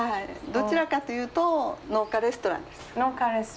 どちらかと言うと農家レストランです。